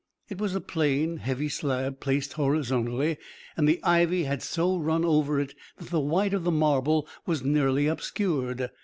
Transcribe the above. It was a plain, heavy slab placed horizontally, and the ivy had so run over it that the white of the marble was nearly obscured.